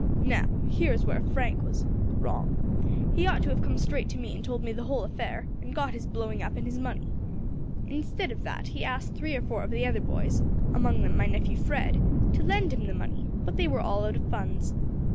Now, here is where Frank was wrong. He ought to have come straight to me and told me the whole affair, and got his blowing up and his money. Instead of that, he asked three or four of the other boys among them my nephew Fred to lend him the money, but they were all out of funds.